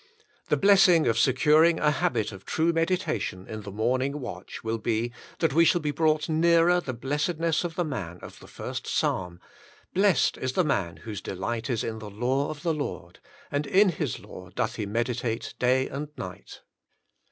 The blessing of securing a habit of true meditation in the morning watch will be, that we shall be brought nearer the blessedness of the man of the first Psalm; "Blessed is the man whose delight is in the law of the Lord, and in His law doth he meditate day and night."